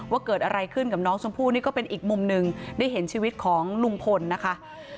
ว่าเกิดอะไรขึ้นกับน้องชมพู่นี่ก็เป็นอีกมุมหนึ่งได้เห็นชีวิตของลุงพลนะคะ